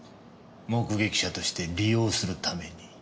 目撃者として利用するために。